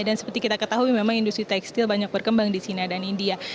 dan seperti kita ketahui memang industri tekstil banyak berkembang di china dan india